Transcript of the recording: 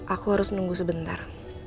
aku harus nunggu sebentar